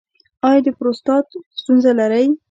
ایا د پروستات ستونزه لرئ؟